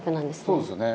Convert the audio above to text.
「そうですよね」